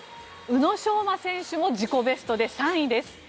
宇野昌磨選手も自己ベストで３位です。